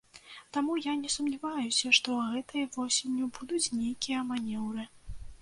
Таму я не сумняваюся, што гэтай восенню будуць нейкія манеўры.